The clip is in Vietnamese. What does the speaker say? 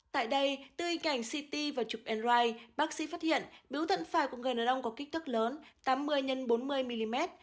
tại đây từ hình ảnh city và chụp andright bác sĩ phát hiện biếu thận phải của người đàn ông có kích thước lớn tám mươi x bốn mươi mm